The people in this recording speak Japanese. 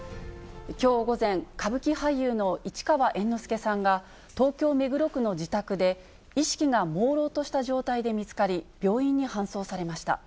きょう午前、歌舞伎俳優の市川猿之助さんが、東京・目黒区の自宅で、意識がもうろうとした状態で見つかり、病院に搬送されました。